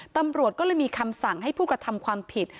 ตำรวจก็เลยมีคำสั่งให้ผู้กระทำความผิด